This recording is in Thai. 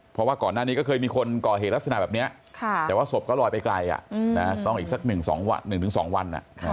เพราะว่าก่อนหน้านี้ก็เคยมีคนก่อเหตุลักษณะแบบนี้แต่ว่าศพก็ลอยไปไกลต้องอีกสัก๑๒วัน